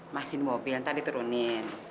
masih di mobil nanti diturunin